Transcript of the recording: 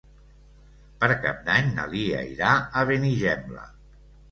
Per Cap d'Any na Lia irà a Benigembla.